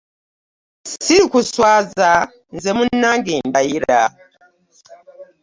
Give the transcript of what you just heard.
Ssirikuswaza nze munnange ndayira.